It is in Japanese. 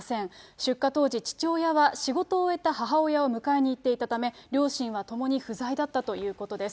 出火当時、父親は仕事を終えた母親を迎えにいっていたため、両親はともに不在だったということです。